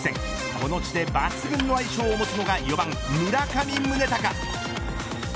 この地で、抜群の相性を持つのが４番、村上宗隆。